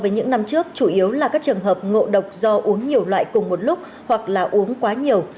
với những năm trước chủ yếu là các trường hợp ngộ độc do uống nhiều loại cùng một lúc hoặc là uống quá nhiều